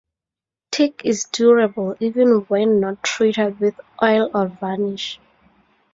Teak is durable even when not treated with oil or varnish.